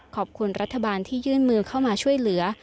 ขอบคุณรัฐบาลที่ยื่นมือเข้ามาช่วยเหลือ